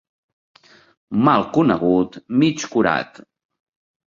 Mal conegut, mig curat.